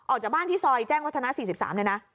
ออกจากบ้านที่ซอยแจ้งวัฒนา๔๓เลยนะ